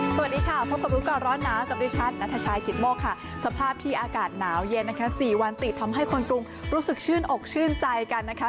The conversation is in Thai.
สวัสดีค่ะพบกับรู้ก่อนร้อนหนาวกับดิฉันนัทชายกิตโมกค่ะสภาพที่อากาศหนาวเย็นนะคะ๔วันติดทำให้คนกรุงรู้สึกชื่นอกชื่นใจกันนะคะ